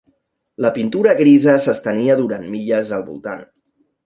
La pintura grisa s'estenia durant milles al voltant.